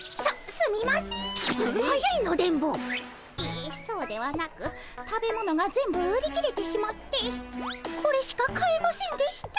ええそうではなく食べ物が全部売り切れてしまってこれしか買えませんでした。